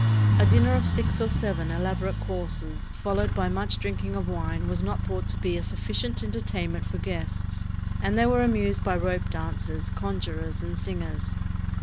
A dinner of six or seven elaborate courses followed by much drinking of wine was not thought to be a sufficient entertainment for guests, and they were amused by rope dancers, conjurers, and singers.